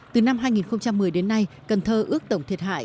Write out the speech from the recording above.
từ năm hai nghìn một mươi đến nay cần thơ ước tổng thiệt hại